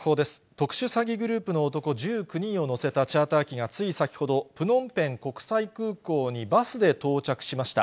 特殊詐欺グループの男１９人を乗せたチャーター機が、つい先ほど、プノンペン国際空港にバスで到着しました。